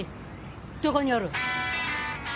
どこにおる？